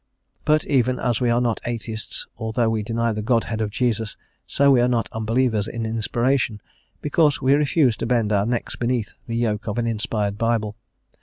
But even as we are not atheists, although we deny the Godhead of Jesus, so are we not unbelievers in inspiration because we refuse to bend our necks beneath the yoke of an inspired Bible.